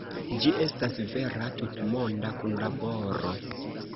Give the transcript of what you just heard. Ĝi estas vera tutmonda kunlaboro.